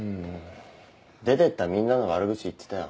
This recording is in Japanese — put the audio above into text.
出てったみんなの悪口言ってたよ。